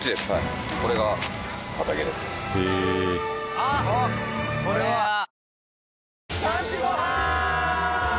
あっこれは。あ！